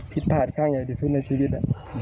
ผิดผลาดข้างใหญ่ที่สุดในชีวิต